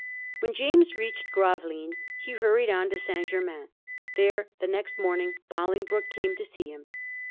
When James reached Gravelines, he hurried on to St. Germains. There, the next morning, Boling broke came to see him.